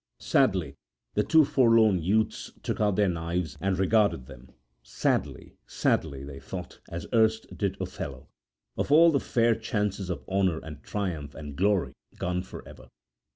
Sadly the two forlorn youths took out their knives and regarded them; sadly, sadly they thought, as erst did Othello, of all the fair chances of honour and triumph and glory gone for ever.